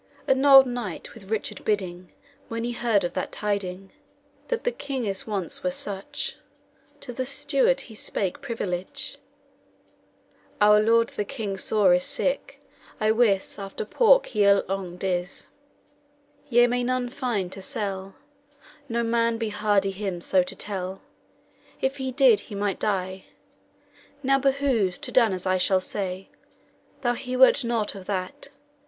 An old knight with Richard biding, When he heard of that tiding, That the king's wants were swyche, To the steward he spake privyliche "Our lord the king sore is sick, I wis, After porck he alonged is; Ye may none find to selle; No man be hardy him so to telle! If he did he might die. Now behoves to done as I shall say, Tho' he wete nought of that.